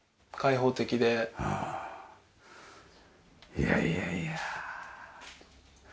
いやいやいや。